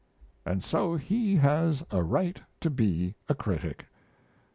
And so he has a right to be a critic.